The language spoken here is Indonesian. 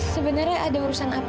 sebenarnya ada urusan apa